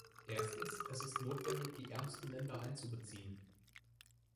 Erstens, es ist notwendig, die ärmsten Länder einzubeziehen.